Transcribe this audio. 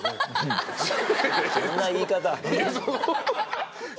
そんな言い方。